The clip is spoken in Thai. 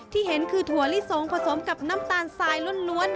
ที่เห็นคือถั่วลิสงผสมกับน้ำตาลทรายล้วน